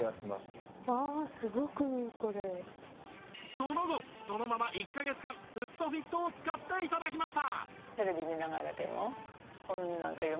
その後そのまま１カ月間フットフィットを使って頂きました